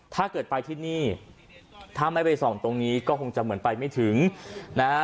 ถ้าเกิดไปที่นี่ถ้าไม่ไปส่องตรงนี้ก็คงจะเหมือนไปไม่ถึงนะฮะ